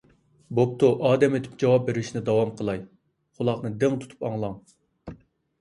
بوپتۇ ئادەم ئېتىپ جاۋاب بېرىشنى داۋام قىلاي. قۇلاقنى دىڭ تۇتۇپ ئاڭلاڭ: